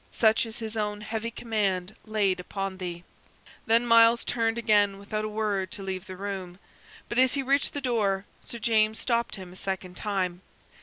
Such is his own heavy command laid upon thee." Then Myles turned again without a word to leave the room. But as he reached the door Sir James stopped him a second time.